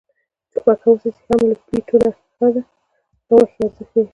چې غوښه وسوځي هم له پیتو نه ښه ده د غوښې ارزښت ښيي